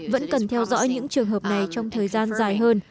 vẫn cần theo dõi những trường hợp này trong thời gian dài hơn